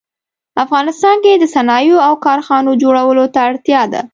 افغانستان کې د صنایعو او کارخانو جوړولو ته اړتیا ده